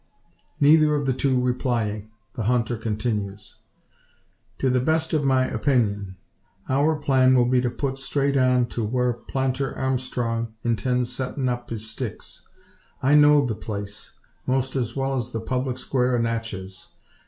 Neither of the two replying, the hunter continues: "To the best of my opeenyun, our plan will be to put straight on to whar Planter Armstrong intends settin' up his sticks. I know the place 'most as well as the public squar o' Natchez.